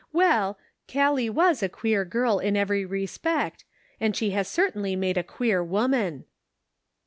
Well, Callie was a queer girl in every respect, and she has certainly made a queer woman."